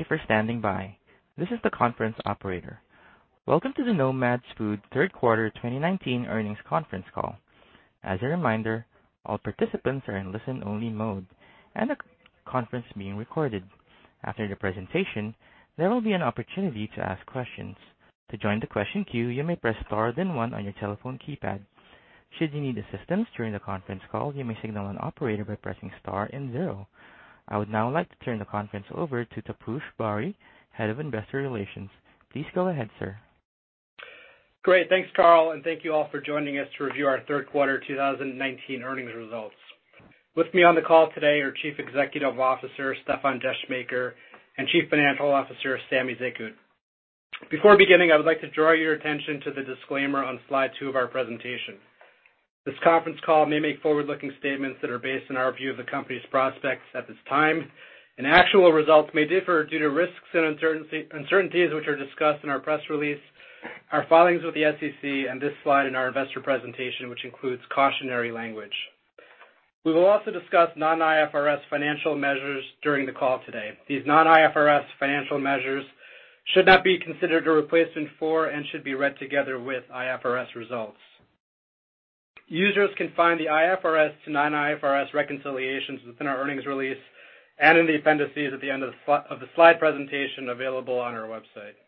Thank you for standing by. This is the conference operator. Welcome to the Nomad Foods third quarter 2019 earnings conference call. As a reminder, all participants are in listen-only mode, and the conference is being recorded. After the presentation, there will be an opportunity to ask questions. To join the question queue, you may press star then one on your telephone keypad. Should you need assistance during the conference call, you may signal an operator by pressing star and zero. I would now like to turn the conference over to Taposh Bari, Head of Investor Relations. Please go ahead, sir. Great. Thanks, Carl, thank you all for joining us to review our third quarter 2019 earnings results. With me on the call today are Chief Executive Officer, Stéfan Descheemaeker, and Chief Financial Officer, Samy Zekhout. Before beginning, I would like to draw your attention to the disclaimer on slide two of our presentation. This conference call may make forward-looking statements that are based on our view of the company's prospects at this time, and actual results may differ due to risks and uncertainties which are discussed in our press release, our filings with the SEC, and this slide in our investor presentation, which includes cautionary language. We will also discuss non-IFRS financial measures during the call today. These non-IFRS financial measures should not be considered a replacement for and should be read together with IFRS results. Users can find the IFRS to non-IFRS reconciliations within our earnings release and in the appendices at the end of the slide presentation available on our website.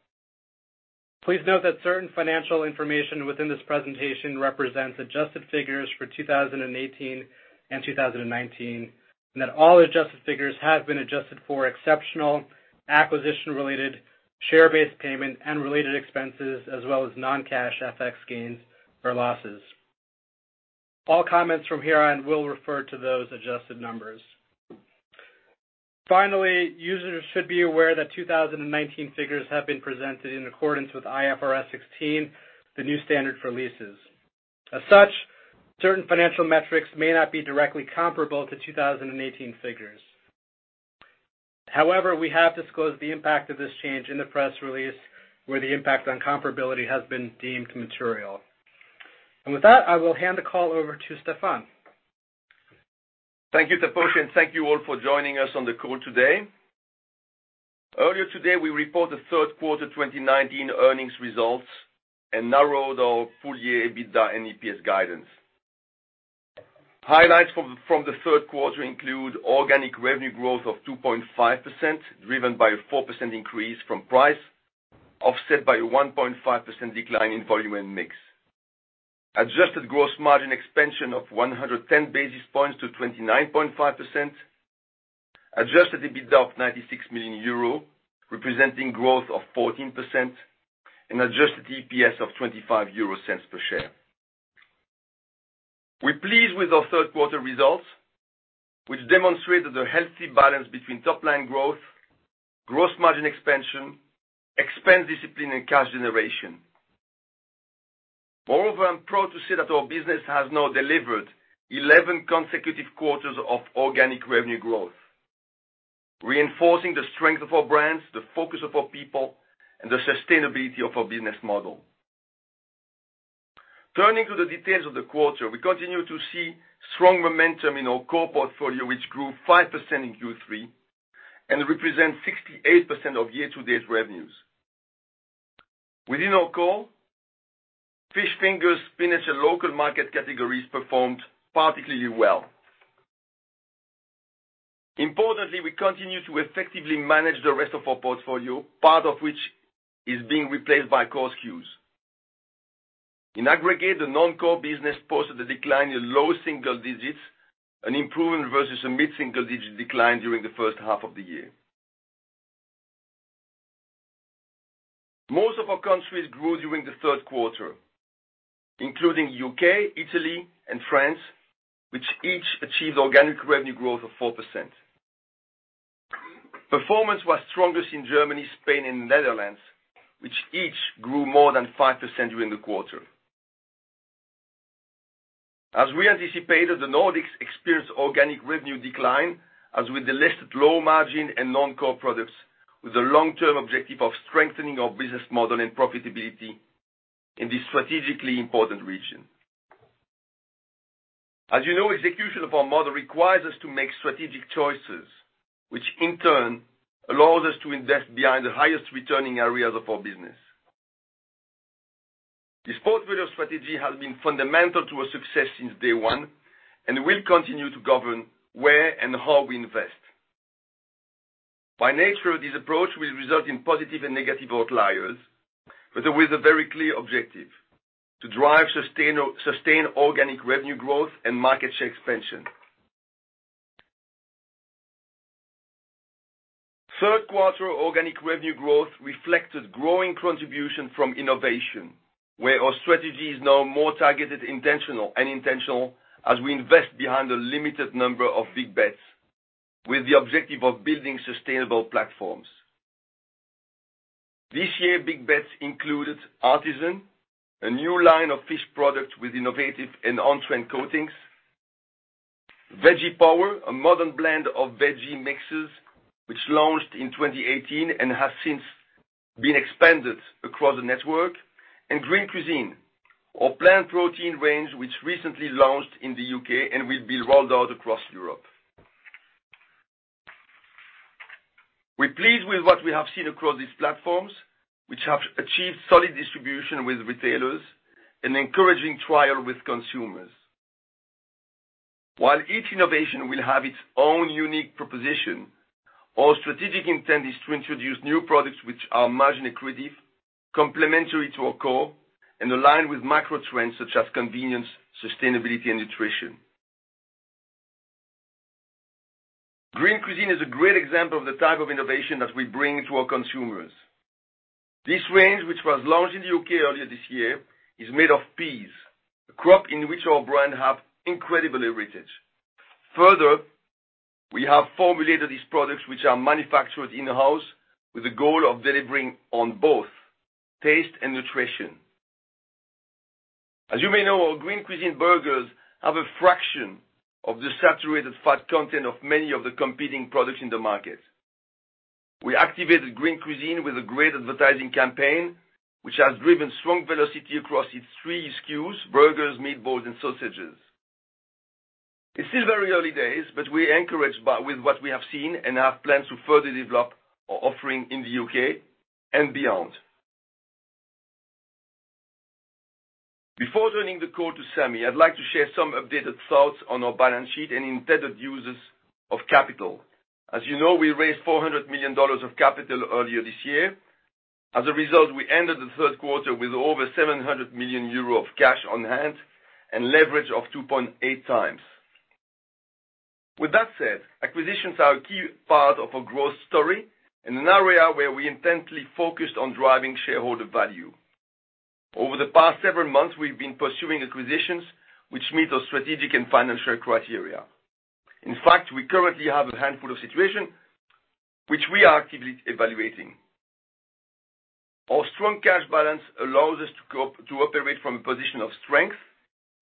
Please note that certain financial information within this presentation represents adjusted figures for 2018 and 2019, and that all adjusted figures have been adjusted for exceptional acquisition-related share-based payment and related expenses, as well as non-cash FX gains or losses. All comments from here on will refer to those adjusted numbers. Finally, users should be aware that 2019 figures have been presented in accordance with IFRS 16, the new standard for leases. As such, certain financial metrics may not be directly comparable to 2018 figures. However, we have disclosed the impact of this change in the press release, where the impact on comparability has been deemed material. With that, I will hand the call over to Stéfan. Thank you, Taposh, and thank you all for joining us on the call today. Earlier today, we reported the third quarter 2019 earnings results and narrowed our full-year EBITDA and EPS guidance. Highlights from the third quarter include organic revenue growth of 2.5%, driven by a 4% increase from price, offset by a 1.5% decline in volume and mix. Adjusted gross margin expansion of 110 basis points to 29.5%. Adjusted EBITDA of 96 million euro, representing growth of 14%, and adjusted EPS of 0.25 per share. We're pleased with our third quarter results, which demonstrate the healthy balance between top-line growth, gross margin expansion, expense discipline, and cash generation. Moreover, I'm proud to say that our business has now delivered 11 consecutive quarters of organic revenue growth, reinforcing the strength of our brands, the focus of our people, and the sustainability of our business model. Turning to the details of the quarter, we continue to see strong momentum in our core portfolio, which grew 5% in Q3 and represents 68% of year-to-date revenues. Within our core, fish fingers, spinach, and local market categories performed particularly well. Importantly, we continue to effectively manage the rest of our portfolio, part of which is being replaced by core SKUs. In aggregate, the non-core business posted a decline in low single digits, an improvement versus a mid-single-digit decline during the first half of the year. Most of our countries grew during the third quarter, including U.K., Italy, and France, which each achieved organic revenue growth of 4%. Performance was strongest in Germany, Spain, and the Netherlands, which each grew more than 5% during the quarter. As we anticipated, the Nordics experienced organic revenue decline, as we delisted low-margin and non-core products with the long-term objective of strengthening our business model and profitability in this strategically important region. As you know, execution of our model requires us to make strategic choices, which in turn allows us to invest behind the highest returning areas of our business. This portfolio strategy has been fundamental to our success since day one and will continue to govern where and how we invest. By nature, this approach will result in positive and negative outliers, but with a very clear objective: to drive sustained organic revenue growth and market share expansion. Third quarter organic revenue growth reflected growing contribution from innovation, where our strategy is now more targeted and intentional as we invest behind a limited number of big bets with the objective of building sustainable platforms. This year, big bets included Artisan, a new line of fish products with innovative and on-trend coatings. Veggie Power, a modern blend of veggie mixes which launched in 2018 and has since been expanded across the network, and Green Cuisine, our plant protein range, which recently launched in the U.K. and will be rolled out across Europe. We're pleased with what we have seen across these platforms, which have achieved solid distribution with retailers and encouraging trial with consumers. While each innovation will have its own unique proposition, our strategic intent is to introduce new products which are margin accretive, complementary to our core, and aligned with macro trends such as convenience, sustainability, and nutrition. Green Cuisine is a great example of the type of innovation that we bring to our consumers. This range, which was launched in the U.K. earlier this year, is made of peas, a crop in which our brand have incredible heritage. We have formulated these products, which are manufactured in-house, with the goal of delivering on both taste and nutrition. As you may know, our Green Cuisine burgers have a fraction of the saturated fat content of many of the competing products in the market. We activated Green Cuisine with a great advertising campaign, which has driven strong velocity across its three SKUs, burgers, meatballs, and sausages. It's still very early days, we're encouraged by what we have seen and have plans to further develop our offering in the U.K. and beyond. Before turning the call to Samy, I'd like to share some updated thoughts on our balance sheet and intended uses of capital. As you know, we raised $400 million of capital earlier this year. As a result, we ended the third quarter with over 700 million euro of cash on hand and leverage of 2.8 times. With that said, acquisitions are a key part of our growth story and an area where we intensely focused on driving shareholder value. Over the past several months, we've been pursuing acquisitions which meet our strategic and financial criteria. In fact, we currently have a handful of situations, which we are actively evaluating. Our strong cash balance allows us to operate from a position of strength,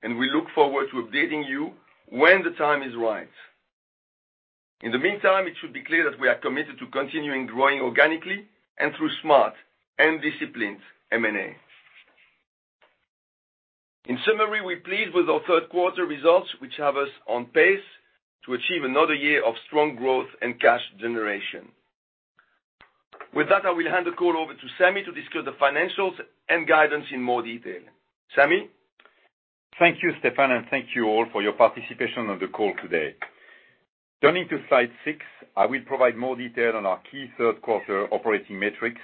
and we look forward to updating you when the time is right. In the meantime, it should be clear that we are committed to continuing growing organically and through smart and disciplined M&A. In summary, we're pleased with our third quarter results, which have us on pace to achieve another year of strong growth and cash generation. With that, I will hand the call over to Sami to discuss the financials and guidance in more detail. Sami? Thank you, Stéfan, and thank you all for your participation on the call today. Turning to slide six, I will provide more detail on our key third quarter operating metrics,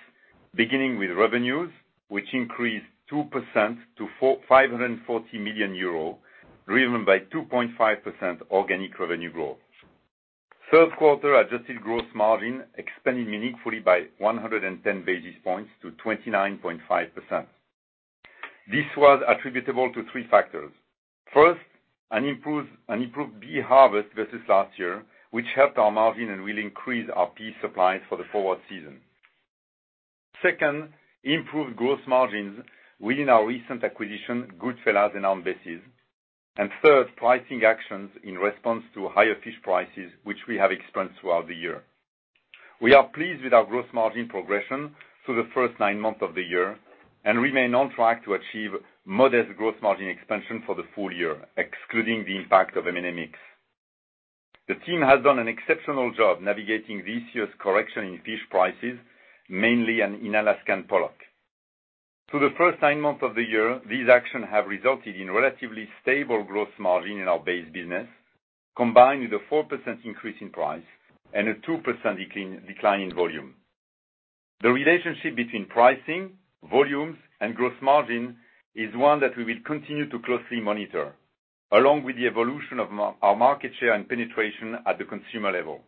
beginning with revenues, which increased 2% to 540 million euro, driven by 2.5% organic revenue growth. Third quarter adjusted gross margin expanded meaningfully by 110 basis points to 29.5%. This was attributable to three factors. First, an improved pea harvest versus last year, which helped our margin and will increase our pea supplies for the forward season. Second, improved gross margins within our recent acquisition, Goodfella's and Aunt Bessie's. Third, pricing actions in response to higher fish prices, which we have experienced throughout the year. We are pleased with our gross margin progression through the first nine months of the year and remain on track to achieve modest gross margin expansion for the full year, excluding the impact of M&A mix. The team has done an exceptional job navigating this year's correction in fish prices, mainly in Alaskan pollock. Through the first nine months of the year, these actions have resulted in relatively stable gross margin in our base business, combined with a 4% increase in price and a 2% decline in volume. The relationship between pricing, volumes, and gross margin is one that we will continue to closely monitor, along with the evolution of our market share and penetration at the consumer level.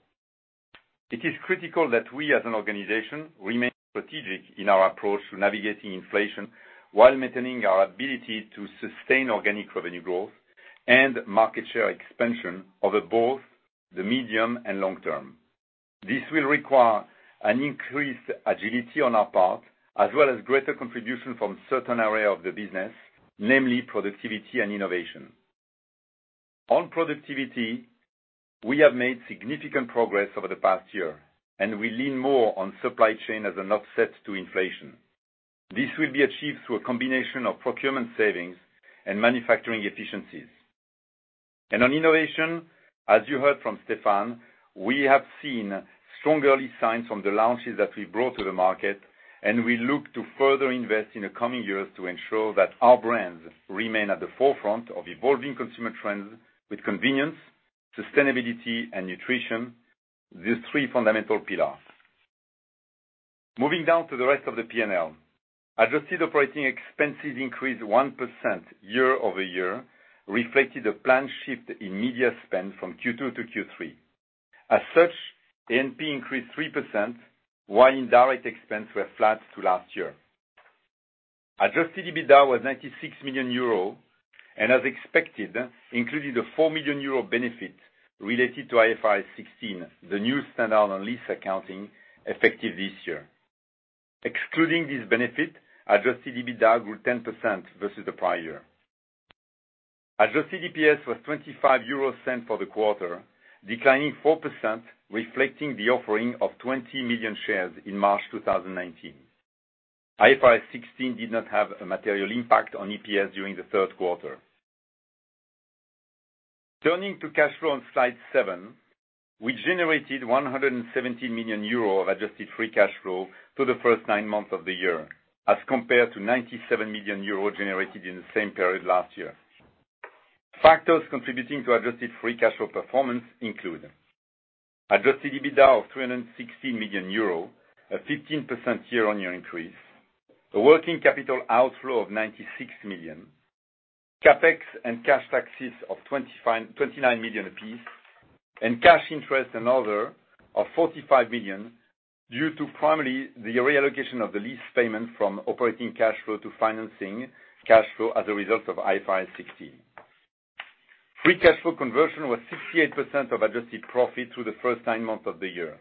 It is critical that we, as an organization, remain strategic in our approach to navigating inflation while maintaining our ability to sustain organic revenue growth and market share expansion over both the medium and long term. This will require an increased agility on our part, as well as greater contribution from certain areas of the business, namely productivity and innovation. On productivity, we have made significant progress over the past year, and we lean more on supply chain as an offset to inflation. This will be achieved through a combination of procurement savings and manufacturing efficiencies. On innovation, as you heard from Stéfan, we have seen strong early signs from the launches that we brought to the market, and we look to further invest in the coming years to ensure that our brands remain at the forefront of evolving consumer trends with convenience, sustainability, and nutrition, these three fundamental pillars. Moving down to the rest of the P&L. Adjusted operating expenses increased 1% year-over-year, reflecting the planned shift in media spend from Q2 to Q3. NP increased 3%, while indirect expenses were flat to last year. Adjusted EBITDA was 96 million euro, and as expected, including the 4 million euro benefit related to IFRS 16, the new standard on lease accounting effective this year. Excluding this benefit, adjusted EBITDA grew 10% versus the prior year. Adjusted EPS was 0.25 for the quarter, declining 4%, reflecting the offering of 20 million shares in March 2019. IFRS 16 did not have a material impact on EPS during the third quarter. Turning to cash flow on slide seven, we generated 117 million euro of adjusted free cash flow for the first nine months of the year, as compared to 97 million euro generated in the same period last year. Factors contributing to adjusted free cash flow performance include: adjusted EBITDA of 316 million euro, a 15% year-on-year increase, a working capital outflow of 96 million, CapEx and cash taxes of 29 million a piece, and cash interest and other of 45 million, due to primarily the reallocation of the lease payment from operating cash flow to financing cash flow as a result of IFRS 16. Free cash flow conversion was 68% of adjusted profit through the first nine months of the year.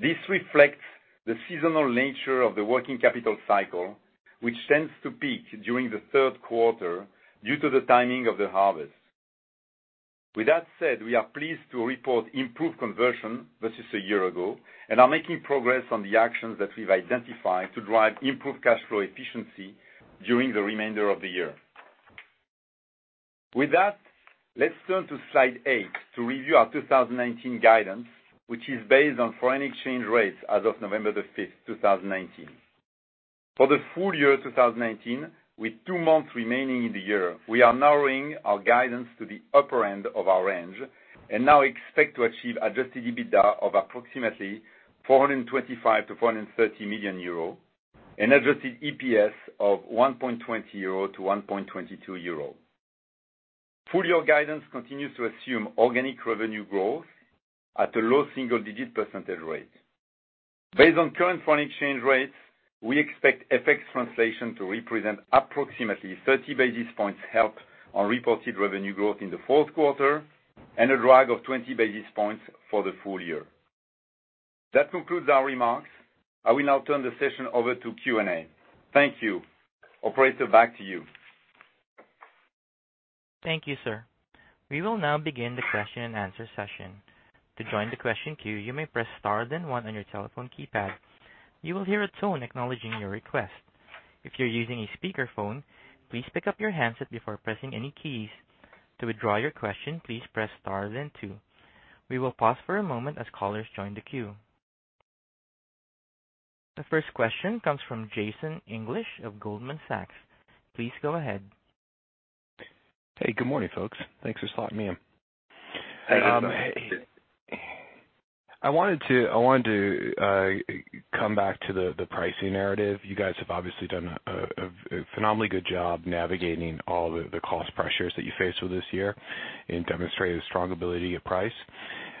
This reflects the seasonal nature of the working capital cycle, which tends to peak during the third quarter due to the timing of the harvest. With that said, we are pleased to report improved conversion versus a year ago and are making progress on the actions that we've identified to drive improved cash flow efficiency during the remainder of the year. With that, let's turn to slide eight to review our 2019 guidance, which is based on foreign exchange rates as of November 5th, 2019. For the full year 2019, with two months remaining in the year, we are narrowing our guidance to the upper end of our range and now expect to achieve adjusted EBITDA of approximately 425 million-430 million euro and adjusted EPS of 1.20-1.22 euro. Full-year guidance continues to assume organic revenue growth at a low single-digit percentage rate. Based on current foreign exchange rates, we expect FX translation to represent approximately 30 basis points help on reported revenue growth in the fourth quarter and a drag of 20 basis points for the full year. That concludes our remarks. I will now turn the session over to Q&A. Thank you. Operator, back to you. Thank you, sir. We will now begin the question and answer session. To join the question queue, you may press star, then one on your telephone keypad. You will hear a tone acknowledging your request. If you're using a speakerphone, please pick up your handset before pressing any keys. To withdraw your question, please press star, then two. We will pause for a moment as callers join the queue. The first question comes from Jason English of Goldman Sachs. Please go ahead. Hey. Good morning, folks. Thanks for slotting me in. Hey, Jason. I wanted to come back to the pricing narrative. You guys have obviously done a phenomenally good job navigating all the cost pressures that you faced with this year and demonstrated a strong ability to price.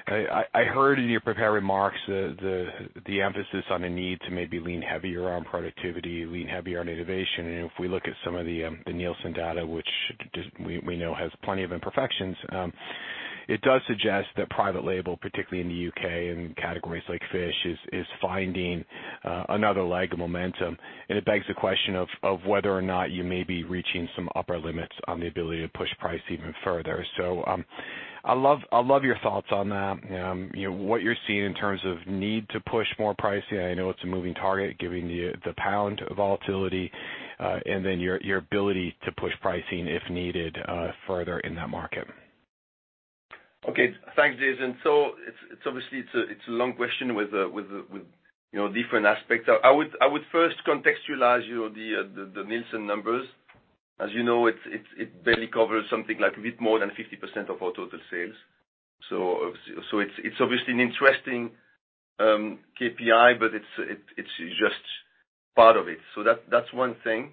I heard in your prepared remarks the emphasis on a need to maybe lean heavier on productivity, lean heavier on innovation, and if we look at some of the Nielsen data, which we know has plenty of imperfections, it does suggest that private label, particularly in the U.K. and categories like fish, is finding another leg of momentum. It begs the question of whether or not you may be reaching some upper limits on the ability to push price even further. I'd love your thoughts on that, what you're seeing in terms of need to push more pricing. I know it's a moving target, given the pound volatility, and then your ability to push pricing if needed further in that market. Okay. Thanks, Jason. Obviously, it's a long question with different aspects. I would first contextualize the Nielsen numbers. As you know, it barely covers something like a bit more than 50% of our total sales. It's obviously an interesting KPI, but it's just part of it. That's one thing.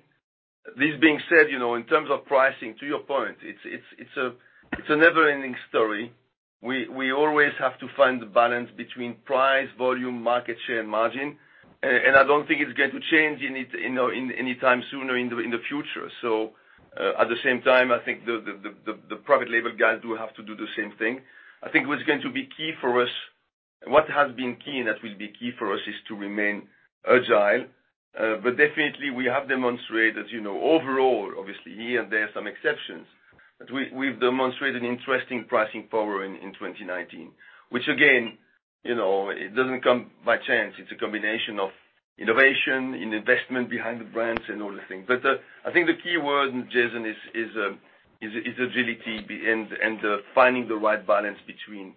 This being said, in terms of pricing, to your point, it's a never-ending story. We always have to find the balance between price, volume, market share, and margin, and I don't think it's going to change anytime soon or in the future. At the same time, I think the private label guys do have to do the same thing. I think what has been key and that will be key for us is to remain agile. Definitely we have demonstrated, overall, obviously, here and there are some exceptions, but we've demonstrated interesting pricing power in 2019, which again, it doesn't come by chance. It's a combination of innovation and investment behind the brands and all the things. I think the key word, Jason, is agility and finding the right balance between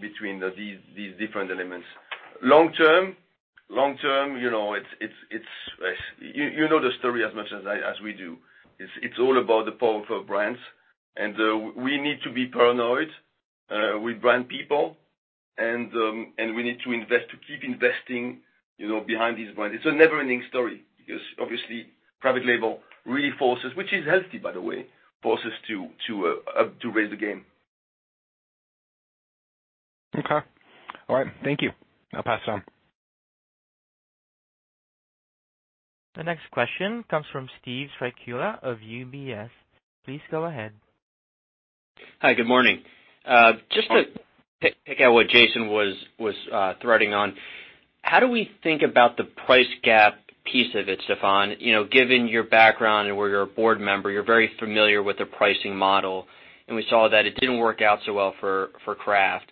these different elements. Long term, you know the story as much as we do. It's all about the power of our brands, and we need to be paranoid with brand people, and we need to keep investing behind these brands. It's a never-ending story because obviously private label really forces, which is healthy by the way, forces us to raise the game. Okay. All right. Thank you. I'll pass it on. The next question comes from Steve Strycula of UBS. Please go ahead. Hi, good morning. Just to pick out what Jason was threading on, how do we think about the price gap piece of it, Stéfan? Given your background and where you're a board member, you're very familiar with the pricing model, and we saw that it didn't work out so well for Kraft,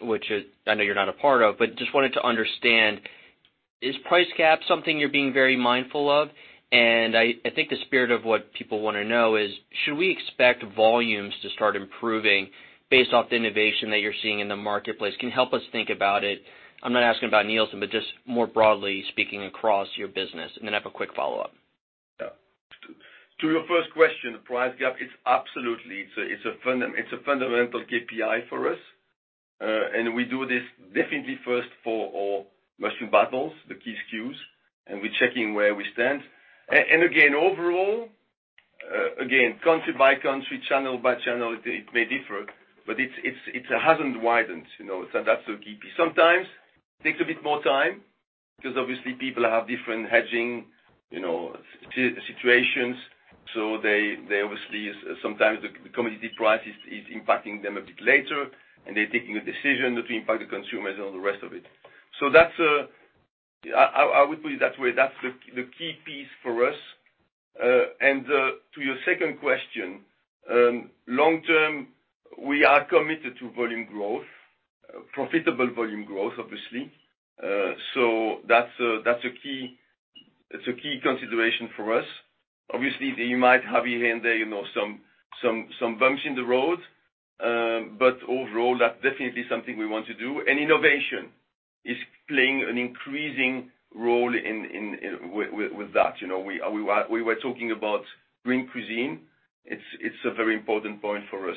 which I know you're not a part of, but just wanted to understand, is price cap something you're being very mindful of? I think the spirit of what people want to know is, should we expect volumes to start improving based off the innovation that you're seeing in the marketplace? Can you help us think about it? I'm not asking about Nielsen, but just more broadly speaking across your business. I have a quick follow-up. To your first question, the price gap, it's absolutely. It's a fundamental KPI for us. We do this definitely first for our must-win bundles, the key SKUs, and we're checking where we stand. Again, overall, country by country, channel by channel, it may differ, but it hasn't widened. That's the key. Sometimes takes a bit more time because obviously people have different hedging situations, so they obviously, sometimes the commodity price is impacting them a bit later, and they're taking a decision to impact the consumers and all the rest of it. I would put it that way. That's the key piece for us. To your second question, long term, we are committed to volume growth, profitable volume growth, obviously. That's a key consideration for us. Obviously, you might have here and there some bumps in the road. Overall, that's definitely something we want to do. Innovation is playing an increasing role with that. We were talking about Green Cuisine. It's a very important point for us.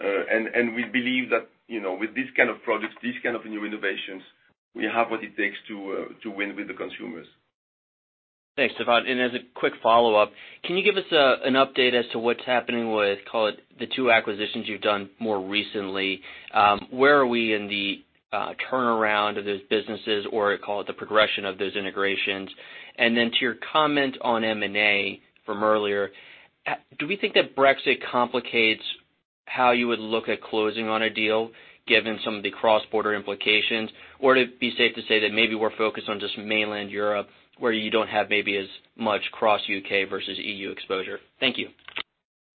We believe that with these kind of products, these kind of new innovations, we have what it takes to win with the consumers. Thanks, Stéfan. As a quick follow-up, can you give us an update as to what's happening with, call it, the two acquisitions you've done more recently? Where are we in the turnaround of those businesses, or call it the progression of those integrations? To your comment on M&A from earlier, do we think that Brexit complicates how you would look at closing on a deal, given some of the cross-border implications? Would it be safe to say that maybe we're focused on just mainland Europe, where you don't have maybe as much cross U.K. versus EU exposure? Thank you.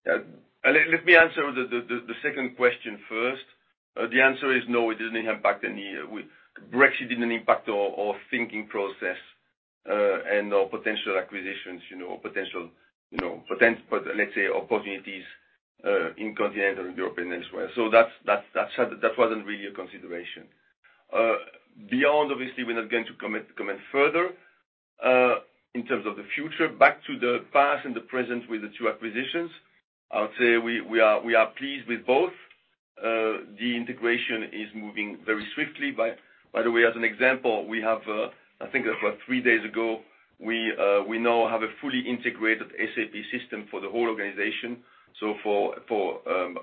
Let me answer the second question first. The answer is no, it did not impact any. Brexit did not impact our thinking process, and our potential acquisitions, or let's say, opportunities in continental Europe and elsewhere. That was not really a consideration. Beyond, obviously, we are not going to comment further in terms of the future. Back to the past and the present with the two acquisitions, I would say we are pleased with both. The integration is moving very swiftly. By the way, as an example, we have, I think it was three days ago, we now have a fully integrated SAP system for the whole organization, so for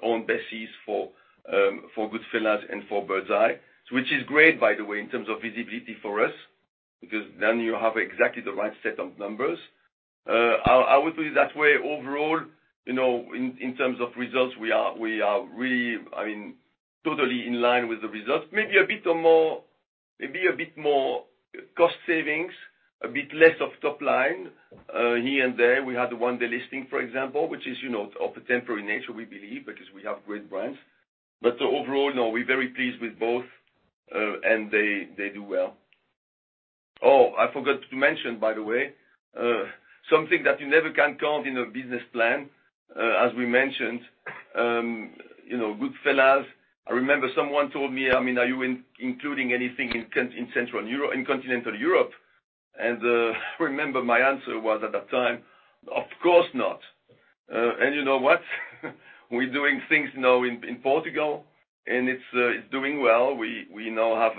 Aunt Bessie's, for Goodfella's, and for Birds Eye, which is great, by the way, in terms of visibility for us, because then you have exactly the right set of numbers. I would put it that way, overall, in terms of results, we are really totally in line with the results. Maybe a bit more cost savings, a bit less of top line here and there. We had the one delisting, for example, which is of a temporary nature, we believe, because we have great brands. Overall, no, we're very pleased with both, and they do well. Oh, I forgot to mention, by the way, something that you never can count in a business plan, as we mentioned Goodfella's. I remember someone told me, "Are you including anything in continental Europe?" I remember my answer was at that time, "Of course not." You know what? We're doing things now in Portugal, and it's doing well. We now have,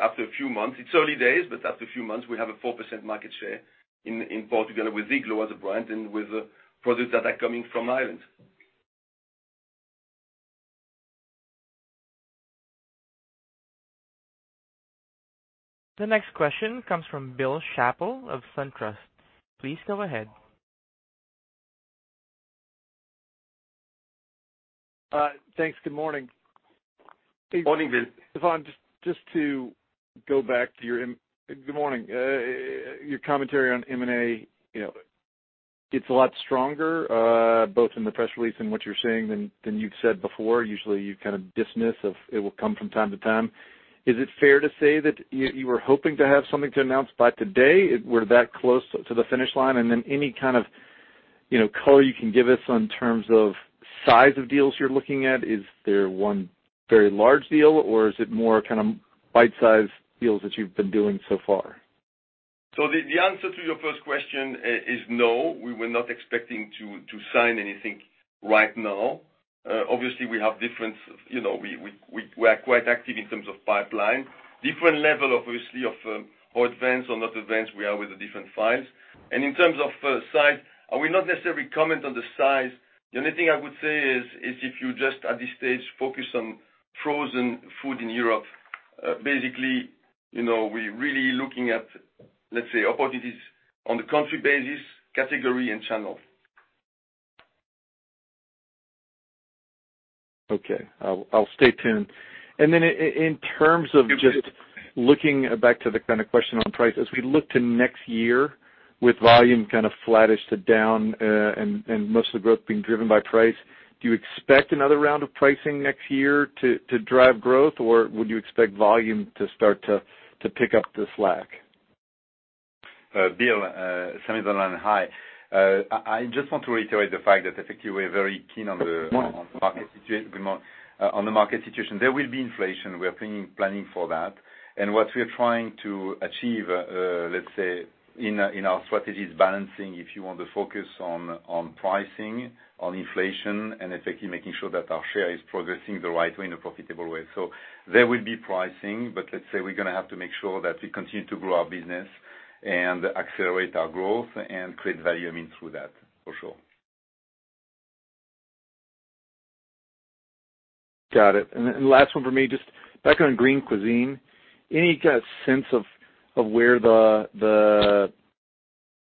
after a few months, it's early days, but after a few months, we have a 4% market share in Portugal with Iglo as a brand and with products that are coming from Ireland. The next question comes from Bill Chappell of SunTrust. Please go ahead. Thanks. Good morning. Morning, Bill. Stéfan, Good morning. Your commentary on M&A, it's a lot stronger, both in the press release and what you're saying than you've said before. Usually, you kind of dismiss if it will come from time to time. Is it fair to say that you were hoping to have something to announce by today, we're that close to the finish line? Then any kind of color you can give us in terms of size of deals you're looking at. Is there one very large deal, or is it more kind of bite-sized deals that you've been doing so far? The answer to your first question is no. We were not expecting to sign anything right now. Obviously, we are quite active in terms of pipeline. Different level, obviously, of how advanced or not advanced we are with the different files. In terms of size, I will not necessarily comment on the size. The only thing I would say is if you just at this stage focus on frozen food in Europe. Basically, we're really looking at, let's say, opportunities on the country basis, category, and channel. Okay. I'll stay tuned. In terms of just looking back to the question on price, as we look to next year with volume kind of flattish to down, and most of the growth being driven by price, do you expect another round of pricing next year to drive growth, or would you expect volume to start to pick up the slack? Bill, Samy Zekhout. Hi. I just want to reiterate the fact that effectively we're very keen on the market situation. There will be inflation. We're planning for that, and what we're trying to achieve, let's say, in our strategy is balancing, if you want the focus on pricing, on inflation, and effectively making sure that our share is progressing the right way in a profitable way. There will be pricing, but let's say we're going to have to make sure that we continue to grow our business and accelerate our growth and create value through that, for sure. Got it. Last one from me, just back on Green Cuisine, any sense of where the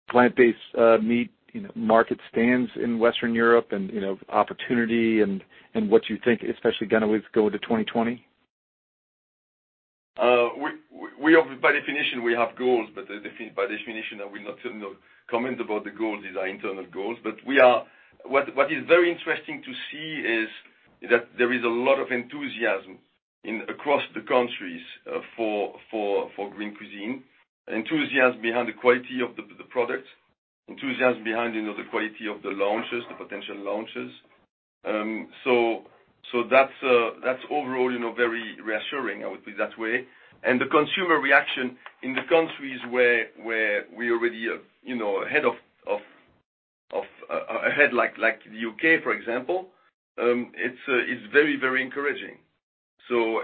plant-based meat market stands in Western Europe and opportunity and what you think, especially going into 2020? By definition, we have goals, but by definition, I will not comment about the goals. These are internal goals, but what is very interesting to see is that there is a lot of enthusiasm across the countries for Green Cuisine, enthusiasm behind the quality of the product, enthusiasm behind the quality of the launches, the potential launches. That's overall very reassuring, I would put it that way. The consumer reaction in the countries where we already are ahead of, like the U.K., for example, it's very encouraging. Still,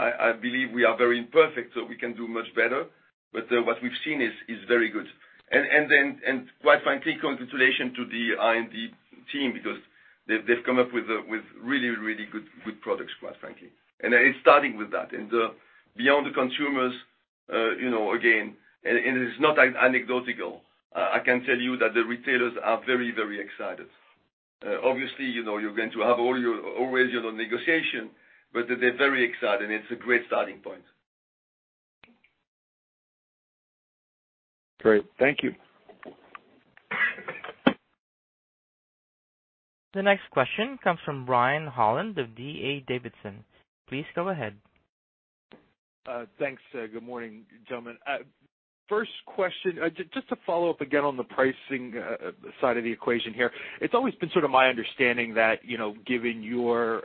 I believe we are very imperfect, so we can do much better, but what we've seen is very good. Quite frankly, congratulations to the R&D team because they've come up with really good products, quite frankly. It's starting with that. Beyond the consumers, again, and it's not anecdotal, I can tell you that the retailers are very excited. Obviously, you're going to have all your original negotiation, but they're very excited, and it's a great starting point. Great. Thank you. The next question comes from Brian Holland of D.A. Davidson. Please go ahead. Thanks. Good morning, gentlemen. First question, just to follow up again on the pricing side of the equation here. It's always been sort of my understanding that given your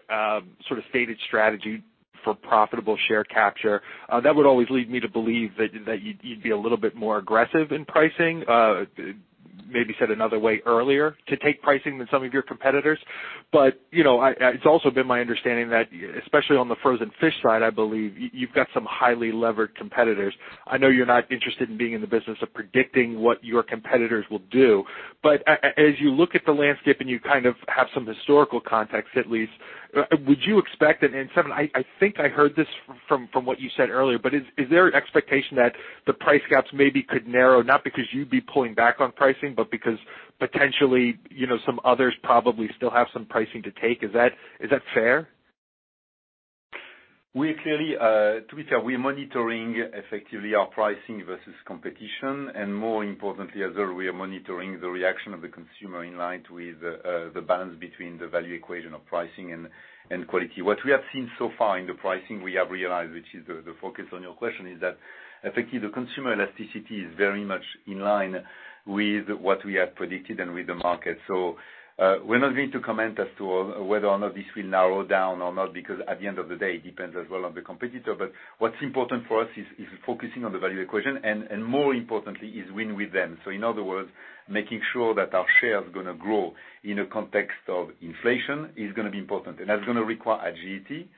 sort of stated strategy for profitable share capture, that would always lead me to believe that you'd be a little bit more aggressive in pricing, maybe said another way, earlier to take pricing than some of your competitors. It's also been my understanding that, especially on the frozen fish side, I believe you've got some highly levered competitors. I know you're not interested in being in the business of predicting what your competitors will do, but as you look at the landscape and you kind of have some historical context, at least, would you expect, and I think I heard this from what you said earlier, but is there an expectation that the price gaps maybe could narrow, not because you'd be pulling back on pricing, but because potentially, some others probably still have some pricing to take? Is that fair? To be clear, we are monitoring effectively our pricing versus competition, and more importantly, as well, we are monitoring the reaction of the consumer in line with the balance between the value equation of pricing and quality. What we have seen so far in the pricing, we have realized, which is the focus on your question, is that effectively the consumer elasticity is very much in line with what we have predicted and with the market. We're not going to comment as to whether or not this will narrow down or not, because at the end of the day, it depends as well on the competitor. What's important for us is focusing on the value equation, and more importantly is win with them. In other words, making sure that our share is going to grow in a context of inflation is going to be important, and that's going to require agility,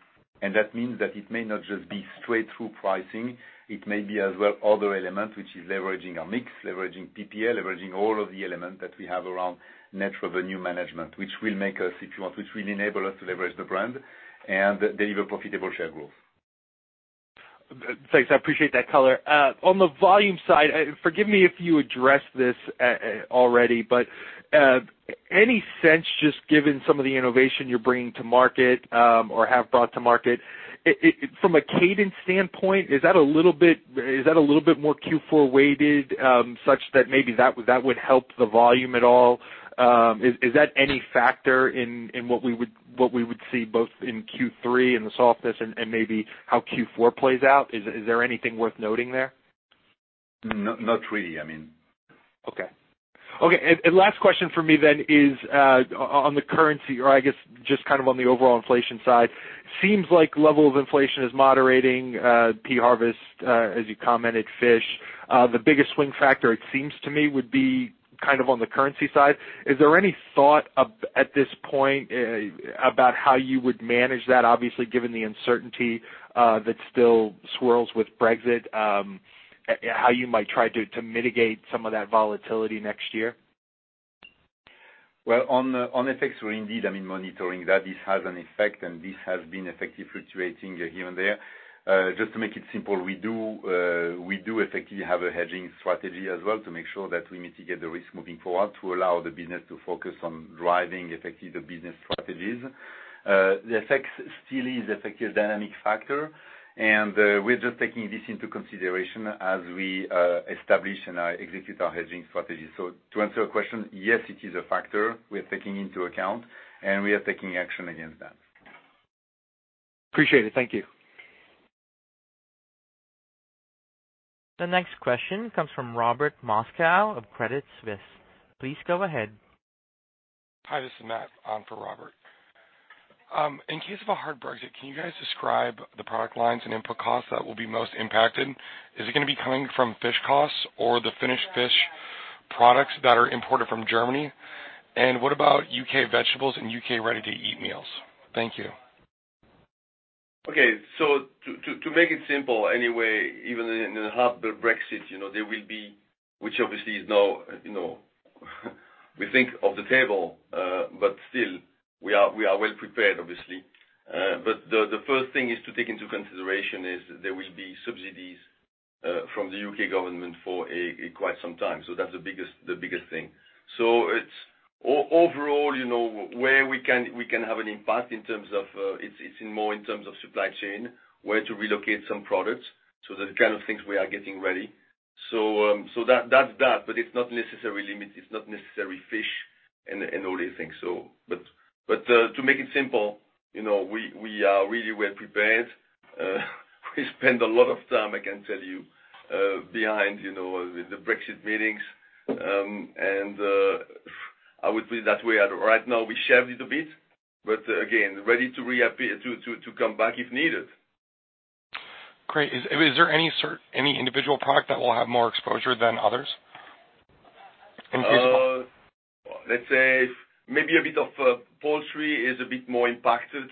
and that means that it may not just be straight through pricing. It may be as well other elements, which is leveraging our mix, leveraging PPL, leveraging all of the elements that we have around net revenue management, which will make us, if you want, which will enable us to leverage the brand and deliver profitable share growth. Thanks. I appreciate that color. On the volume side, forgive me if you addressed this already, but any sense, just given some of the innovation you're bringing to market or have brought to market, from a cadence standpoint, is that a little bit more Q4 weighted, such that maybe that would help the volume at all? Is that any factor in what we would see both in Q3 and the softness and maybe how Q4 plays out? Is there anything worth noting there? Not really. Okay. Last question for me then is on the currency, or I guess just kind of on the overall inflation side. Seems like level of inflation is moderating, pea harvest, as you commented, fish. The biggest swing factor, it seems to me, would be kind of on the currency side. Is there any thought at this point about how you would manage that, obviously, given the uncertainty that still swirls with Brexit, how you might try to mitigate some of that volatility next year? On FX, we're indeed monitoring that this has an effect and this has been effectively fluctuating here and there. Just to make it simple, we do effectively have a hedging strategy as well to make sure that we mitigate the risk moving forward to allow the business to focus on driving effectively the business strategies. The FX still is effectively a dynamic factor, and we're just taking this into consideration as we establish and execute our hedging strategy. To answer your question, yes, it is a factor we're taking into account, and we are taking action against that. Appreciate it. Thank you. The next question comes from Robert Moskow of Credit Suisse. Please go ahead. Hi, this is Matt on for Robert. In case of a hard Brexit, can you guys describe the product lines and input costs that will be most impacted? Is it going to be coming from fish costs or the finished fish products that are imported from Germany? What about U.K. vegetables and U.K. ready-to-eat meals? Thank you. Okay. To make it simple anyway, even in a hard Brexit, there will be, which obviously is now we think, off the table. Still, we are well prepared, obviously. The first thing is to take into consideration is there will be subsidies from the U.K. government for quite some time. That's the biggest thing. It's overall, where we can have an impact, it's more in terms of supply chain, where to relocate some products. Those are the kind of things we are getting ready. That's that, but it's not necessarily limited. It's not necessarily fish and all these things. To make it simple, we are really well prepared. We spend a lot of time, I can tell you, behind the Brexit meetings, and I would say that right now we shelved it a bit, but again, ready to come back if needed. Great. Is there any individual product that will have more exposure than others in case of- Let's say maybe a bit of poultry is a bit more impacted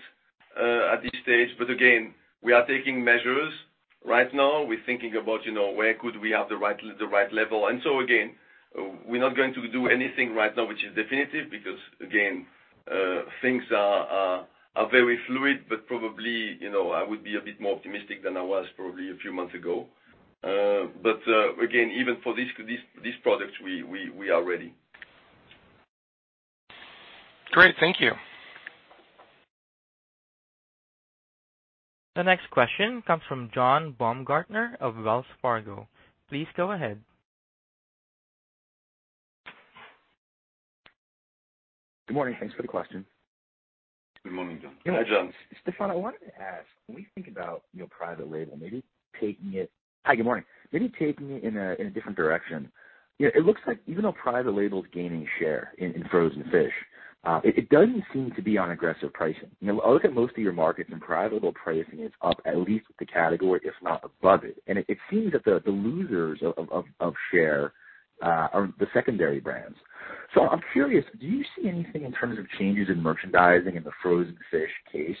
at this stage. Again, we are taking measures right now. We're thinking about where could we have the right level. Again, we're not going to do anything right now which is definitive because, again, things are very fluid. Probably, I would be a bit more optimistic than I was probably a few months ago. Again, even for these products, we are ready. Great. Thank you. The next question comes from John Baumgartner of Wells Fargo. Please go ahead. Good morning. Thanks for the question. Good morning, John. Hi, John. Stéfan, I wanted to ask, when you think about private label. Hi, good morning. Maybe taking it in a different direction. It looks like even though private label is gaining share in frozen fish, it doesn't seem to be on aggressive pricing. I look at most of your markets, private label pricing is up at least with the category, if not above it. It seems that the losers of share are the secondary brands. I'm curious, do you see anything in terms of changes in merchandising in the frozen fish case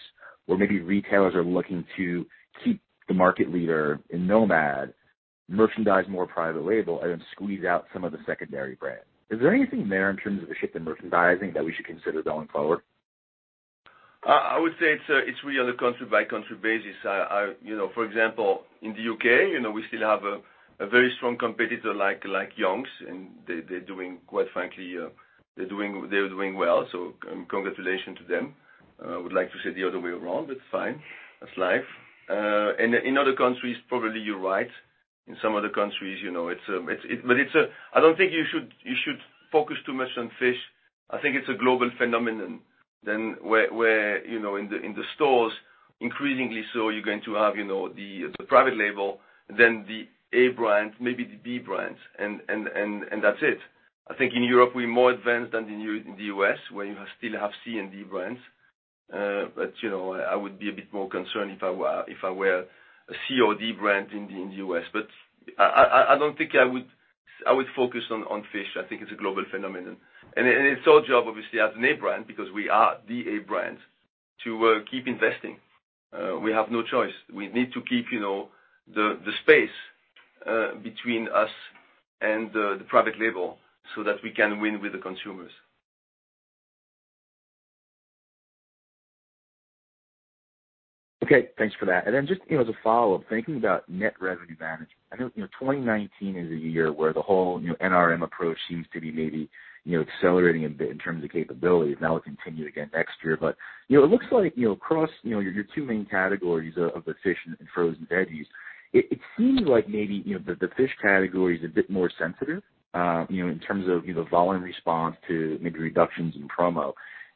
where maybe retailers are looking to keep the market leader in Nomad, merchandise more private label, and then squeeze out some of the secondary brands? Is there anything there in terms of a shift in merchandising that we should consider going forward? I would say it's really on a country-by-country basis. For example, in the U.K., we still have a very strong competitor like Young's, and they're doing well. Congratulations to them. I would like to say the other way around, but it's fine. That's life. In other countries, probably you're right. In some other countries, I don't think you should focus too much on fish. I think it's a global phenomenon than where in the stores, increasingly so, you're going to have the private label, then the A brand, maybe the B brands, and that's it. I think in Europe, we're more advanced than in the U.S., where you still have C and D brands. I would be a bit more concerned if I were a C or D brand in the U.S. I don't think I would focus on fish. I think it's a global phenomenon. It's our job, obviously, as an A brand, because we are the A brand, to keep investing. We have no choice. We need to keep the space between us and the private label so that we can win with the consumers. Okay. Thanks for that. Just as a follow-up, thinking about net revenue management, I know 2019 is a year where the whole NRM approach seems to be maybe accelerating a bit in terms of capability, and that will continue again next year. It looks like across your two main categories of the fish and frozen veggies, it seems like maybe the fish category is a bit more sensitive in terms of volume response to maybe reductions in promo.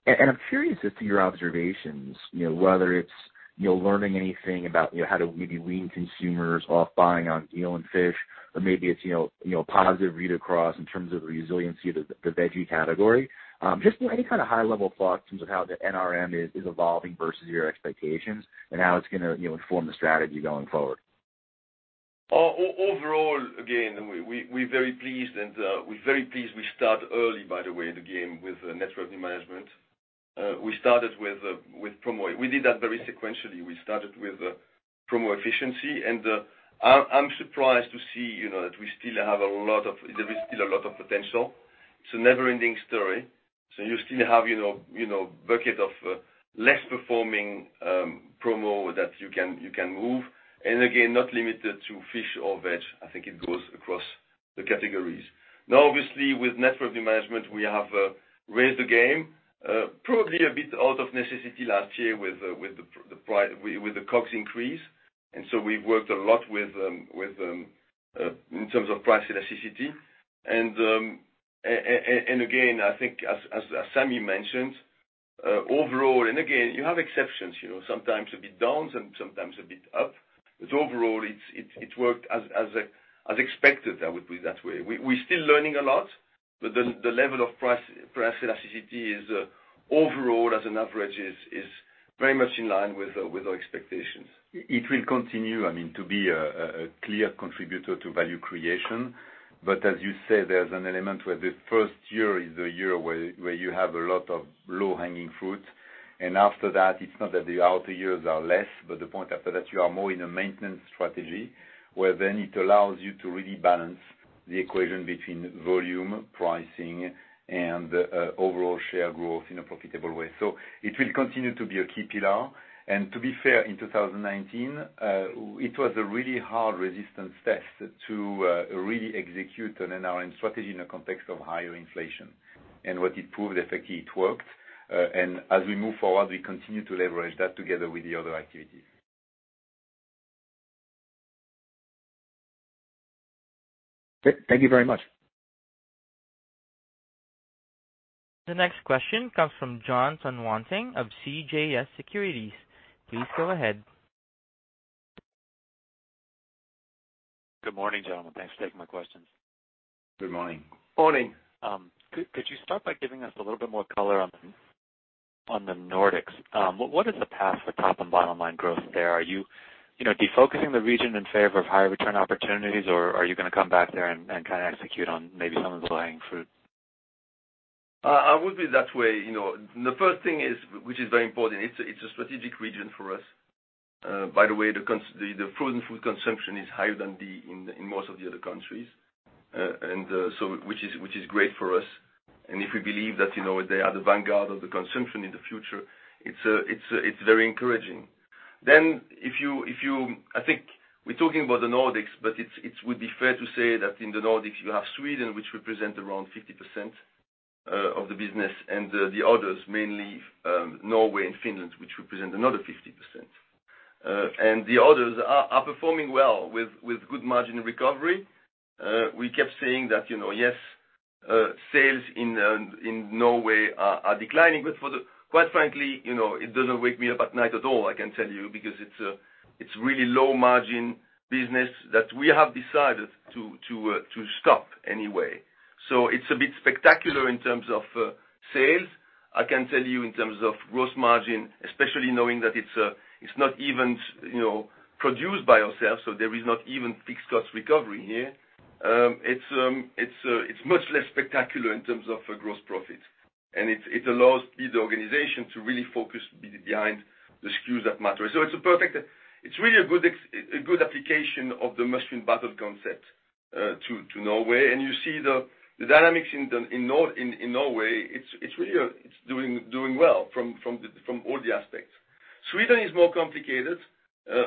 I'm curious as to your observations, whether it's learning anything about how to maybe wean consumers off buying on deal and fish, or maybe it's positive read-across in terms of the resiliency of the veggie category. Just any kind of high-level thoughts in terms of how the NRM is evolving versus your expectations and how it's going to inform the strategy going forward. Overall, again, we're very pleased, and we're very pleased we start early, by the way, the game with net revenue management. We started with promo. We did that very sequentially. We started with promo efficiency, and I'm surprised to see that there is still a lot of potential. It's a never-ending story. You still have bucket of less performing promo that you can move, and again, not limited to fish or veg. I think it goes across the categories. Obviously, with net revenue management, we have raised the game, probably a bit out of necessity last year with the COGS increase. We've worked a lot in terms of price elasticity. Again, I think as Sami mentioned, overall, and again, you have exceptions, sometimes a bit down and sometimes a bit up. Overall, it worked as expected, I would put it that way. We're still learning a lot, but the level of price elasticity is overall as an average is very much in line with our expectations. It will continue to be a clear contributor to value creation. As you said, there's an element where the first year is the year where you have a lot of low-hanging fruit. After that, it's not that the outer years are less, but the point after that, you are more in a maintenance strategy, where then it allows you to really balance the equation between volume, pricing, and overall share growth in a profitable way. It will continue to be a key pillar. To be fair, in 2019, it was a really hard resistance test to really execute on an NRM strategy in a context of higher inflation. What it proved, effectively it worked. As we move forward, we continue to leverage that together with the other activities. Thank you very much. The next question comes from Jon Tanwanteng of CJS Securities. Please go ahead. Good morning, gentlemen. Thanks for taking my questions. Good morning. Morning. Could you start by giving us a little bit more color on the Nordics? What is the path for top and bottom line growth there? Are you defocusing the region in favor of higher return opportunities, or are you going to come back there and execute on maybe some of the low-hanging fruit? I would be that way. The first thing, which is very important, it's a strategic region for us. By the way, the frozen food consumption is higher than in most of the other countries, which is great for us. If we believe that they are the vanguard of the consumption in the future, it's very encouraging. I think we're talking about the Nordics, but it would be fair to say that in the Nordics, you have Sweden, which represents around 50% of the business, and the others, mainly Norway and Finland, which represent another 50%. The others are performing well with good margin recovery. We kept saying that, yes, sales in Norway are declining, but quite frankly, it doesn't wake me up at night at all, I can tell you, because it's really low margin business that we have decided to stop anyway. It's a bit spectacular in terms of sales. I can tell you in terms of gross margin, especially knowing that it's not even produced by ourselves, there is not even fixed cost recovery here. It's much less spectacular in terms of gross profit. It allows the organization to really focus behind the SKUs that matter. It's really a good application of the must-win battle concept to Norway. You see the dynamics in Norway, it's doing well from all the aspects. Sweden is more complicated.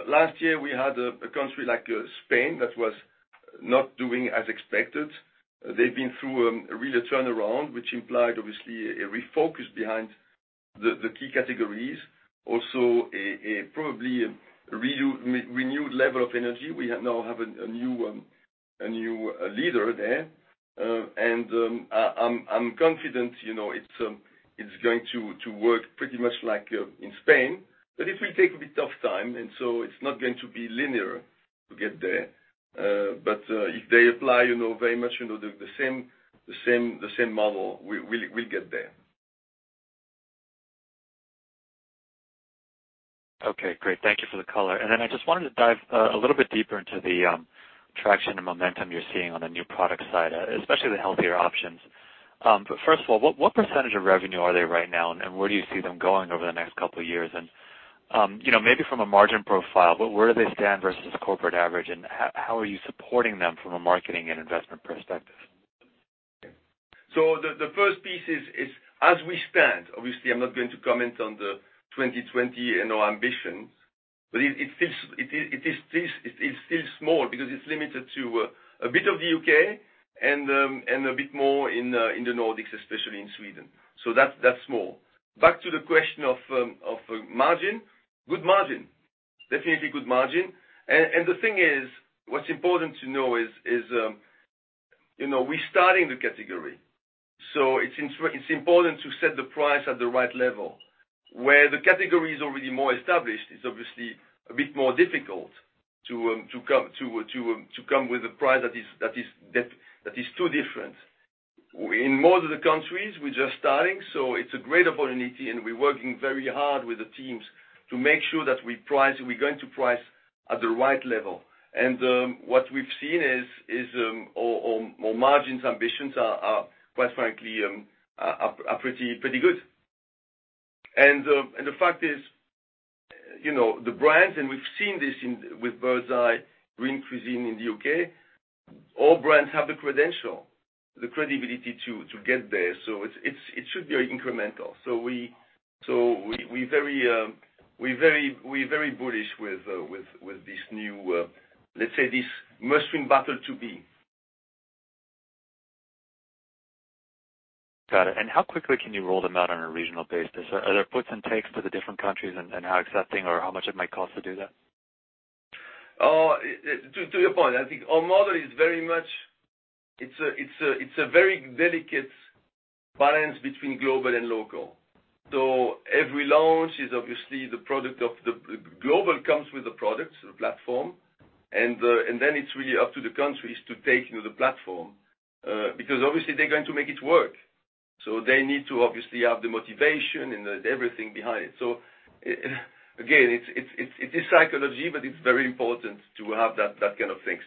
Last year, we had a country like Spain that was not doing as expected. They've been through a real turnaround, which implied, obviously, a refocus behind the key categories. Also probably a renewed level of energy. We now have a new leader there. I'm confident it's going to work pretty much like in Spain, but it will take a bit of time, it's not going to be linear to get there. If they apply very much the same model, we'll get there. Okay, great. Thank you for the color. Then I just wanted to dive a little bit deeper into the traction and momentum you're seeing on the new product side, especially the healthier options. First of all, what percentage of revenue are they right now, and where do you see them going over the next couple of years? Maybe from a margin profile, where do they stand versus the corporate average, and how are you supporting them from a marketing and investment perspective? The first piece is as we stand, obviously, I'm not going to comment on the 2020 and our ambitions, but it's still small because it's limited to a bit of the U.K. and a bit more in the Nordics, especially in Sweden. That's small. Back to the question of margin, good margin. Definitely good margin. The thing is, what's important to know is we're starting the category. It's important to set the price at the right level. Where the category is already more established, it's obviously a bit more difficult to come with a price that is too different. In most of the countries, we're just starting, it's a great opportunity, and we're working very hard with the teams to make sure that we're going to price at the right level. What we've seen is our margins ambitions are, quite frankly, are pretty good. The fact is, the brands, and we've seen this with Birds Eye, Green Cuisine in the U.K., all brands have the credential, the credibility to get there. It should be incremental. We're very bullish with this new, let's say this must-win battle to be. Got it. How quickly can you roll them out on a regional basis? Are there puts and takes for the different countries and how accepting or how much it might cost to do that? To your point, I think our model is very much. It's a very delicate balance between global and local. Every launch is obviously the product of the. Global comes with the product, the platform, and then it's really up to the countries to take the platform, because obviously they're going to make it work. They need to obviously have the motivation and everything behind it. Again, it is psychology, but it's very important to have that kind of things.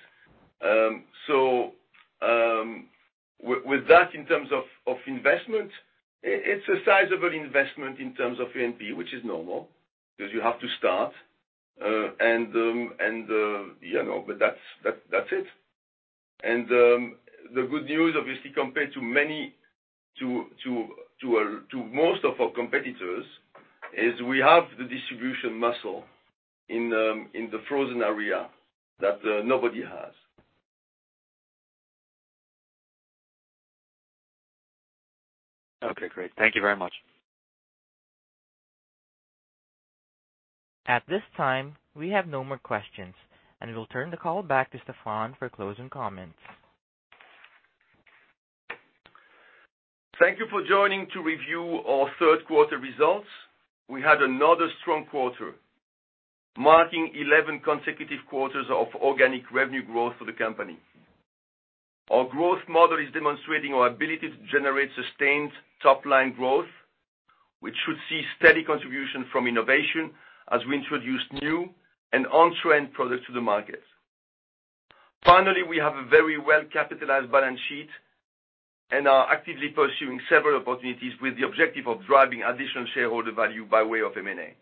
With that in terms of investment, it's a sizable investment in terms of A&P, which is normal, because you have to start. That's it. The good news, obviously, compared to most of our competitors, is we have the distribution muscle in the frozen area that nobody has. Okay, great. Thank you very much. At this time, we have no more questions, and we'll turn the call back to Stéfan for closing comments. Thank you for joining to review our third quarter results. We had another strong quarter, marking 11 consecutive quarters of organic revenue growth for the company. Our growth model is demonstrating our ability to generate sustained top-line growth, which should see steady contribution from innovation as we introduce new and on-trend products to the market. Finally, we have a very well-capitalized balance sheet and are actively pursuing several opportunities with the objective of driving additional shareholder value by way of M&A.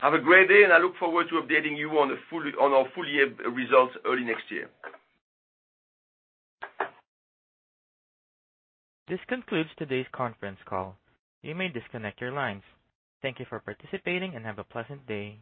Have a great day, and I look forward to updating you on our full year results early next year. This concludes today's conference call. You may disconnect your lines. Thank you for participating and have a pleasant day.